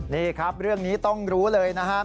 นี่ครับเรื่องนี้ต้องรู้เลยนะครับ